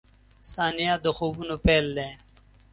• ثانیه د خوبونو پیل دی.